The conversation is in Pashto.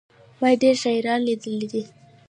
ما ډېري شاعران لېدلي دي.